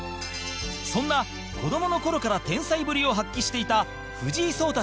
そんな、子どもの頃から天才ぶりを発揮していた藤井聡太